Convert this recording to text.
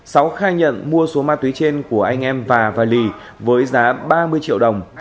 sáu khai nhận mua số ma túy trên của anh em và lì với giá ba mươi triệu đồng